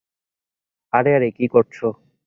আরে, আরে, কী করছো?